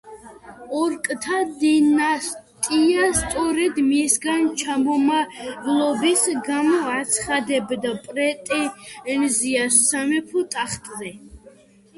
ორკთა დინასტია სწორედ მისგან ჩამომავლობის გამო აცხადებდა პრეტენზიას სამეფო ტახტზე.